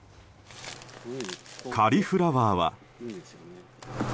カリフラワーは。